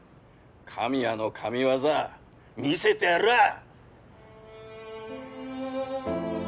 神矢の神業見せてやらあ。